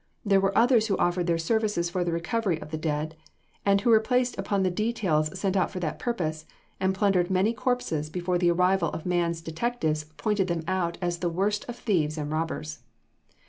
There were others who offered their services for the recovery of the dead, and who were placed upon the details sent out for that purpose, and plundered many corpses before the arrival of Mann's detectives pointed them out as the worst of thieves and robbers.